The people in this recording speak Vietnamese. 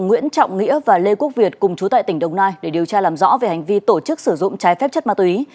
nguyễn trọng nghĩa và lê quốc việt cùng chú tại tỉnh đồng nai để điều tra làm rõ về hành vi tổ chức sử dụng trái phép chất ma túy